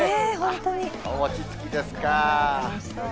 お餅つきですか。